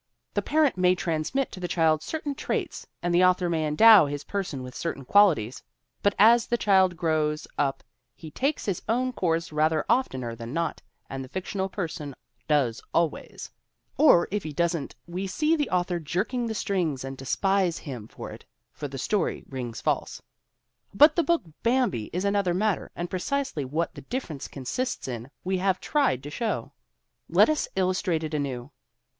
The parent may transmit to the child certain traits and the author may endow his person with certain qualities; but as the child grows up he takes his own course rather oftener than not, and the fictional person does always ! Or if he doesn't we see the author jerking the strings and despise him for it, for the story rings false. But the book Bambi is another matter and precisely what the difference consists in we have tried to show. Let us illustrate it anew.